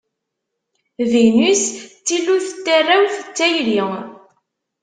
Vinus d tillut n tarrawt d tayri.